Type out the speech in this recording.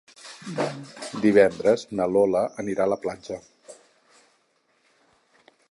Divendres na Lola anirà a la platja.